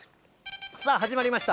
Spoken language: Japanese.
さあ、始まりました、